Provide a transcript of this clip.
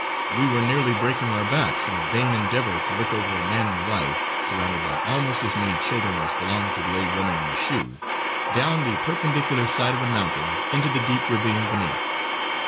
We were nearly breaking our backs in a vain endeavor to look over a man and wife, surrounded by almost as many children as belonged to the old woman in the shoe, down the perpendicular side of the mountain into the deep ravine beneath.